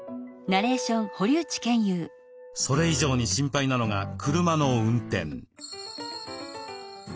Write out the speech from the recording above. それ以上に心配なのが車の運転。